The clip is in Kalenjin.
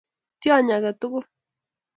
Tyony age tugul.